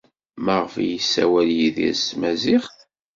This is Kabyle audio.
Maɣef ay yessawal Yidir s tmaziɣt?